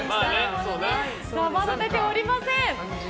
まだ出ておりません。